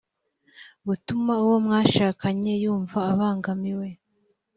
gutuma uwo mwashakanye yumva abangamiwe